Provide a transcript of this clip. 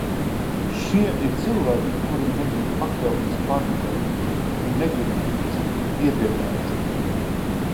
Šie ir cilvēki, kuri negrib pakļauties panikai, kuri negrib tikt iebiedēti.